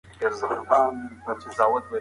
ټولنه د بېلابېلو ډلو څخه جوړه سوې ده.